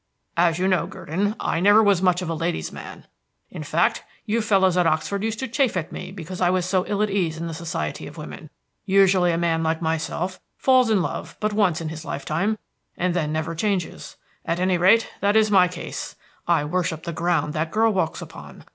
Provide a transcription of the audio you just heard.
As you know, Gurdon, I never was much of a ladies' man; in fact, you fellows at Oxford used to chaff me because I was so ill at ease in the society of women. Usually a man like myself falls in love but once in his lifetime, and then never changes. At any rate, that is my case. I worship the ground that girl walks upon.